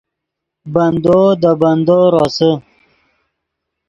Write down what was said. بندو دے بندو روسے